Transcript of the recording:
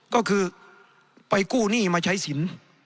ก็คือไปกู้หนี้มาใช้สิน